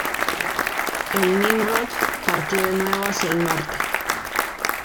El "Nimrod" partió de nuevo hacia el norte.